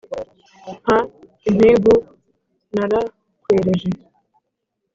Mpa impigu narakwereje